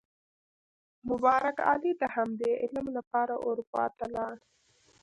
مبارک علي د همدې علم لپاره اروپا ته لاړ.